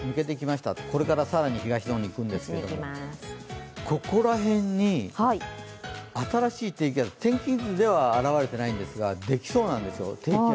これから更に東の方に行くんですけどここら辺に新しい低気圧天気図では現れていないんですが、できそうなんですよ。